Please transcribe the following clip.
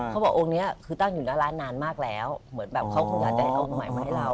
เขาบอกองค์นี้คือตั้งอยู่หน้าร้านนานมากแล้วเหมือนแบบเขาคงอยากจะได้องค์ใหม่มาให้เรา